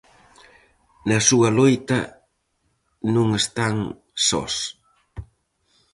Na súa loita non están sós.